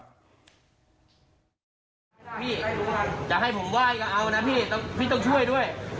พี่จะให้ผมไหว้ก็เอานะพี่พี่ต้องช่วยด้วย